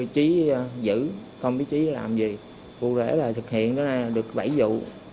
trí giữ không biết trí làm gì vô để là thực hiện được bẫy dụ